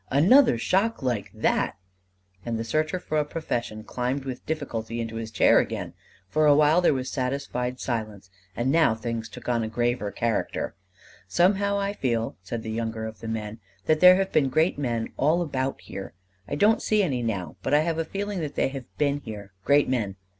"Another shock like that !" and the searcher for a profession climbed with difficulty into his chair again. For a while there was satisfied silence, and now things took on a graver character: "Somehow I feel," said the younger of the men, "that there have been great men all about here. I don't see any now; but I have a feeling that they have been here great men.